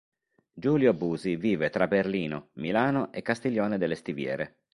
Giulio Busi vive tra Berlino, Milano e Castiglione delle Stiviere.